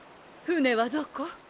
船はどこ？